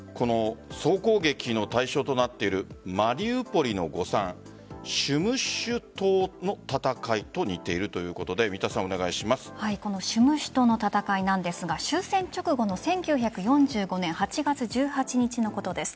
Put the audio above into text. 総攻撃の対象となっているマリウポリの誤算占守島の戦いと似ているということで占守島の戦いなんですが終戦直後の１９４５年８月１８日のことです。